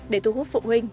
để thu hút phụ huynh